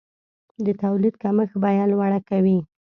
د تولید کمښت بیه لوړه کوي.